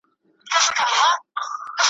پر هغه لاره مي یون دی نازوه مي `